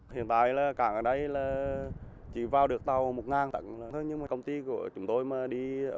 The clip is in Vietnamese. hiện tại là càng ở đây là chỉ vào được tàu một ngàn tặng thôi nhưng mà công ty của chúng tôi mà đi ở